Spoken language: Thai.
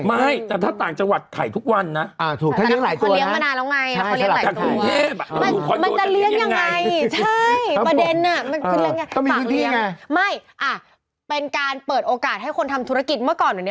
ไม่แต่ถ้าต่างจังหวัดไข่ทุกวันนะ